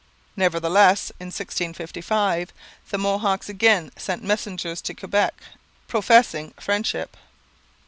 Nevertheless in 1655 the Mohawks again sent messengers to Quebec professing friendship.